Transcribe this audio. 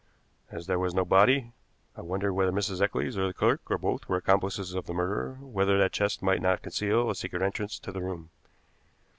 As there was no body I wondered whether Mrs. Eccles or the clerk, or both, were accomplices of the murderer; whether that chest might not conceal a secret entrance to the room.